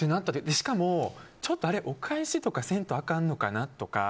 しかも、あれ、お返しとかせんとあかんのかな？とか